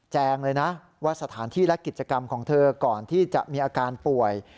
เลยนะว่าสถานที่และกิจกรรมของเธอก่อนที่จะมีอาการป่วย